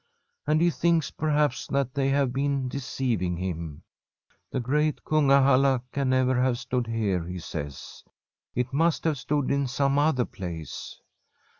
And he thinks perhaps that they have been deceiving him. The great Kun gahalla can never have stood here, he says. It must have stood in some other place.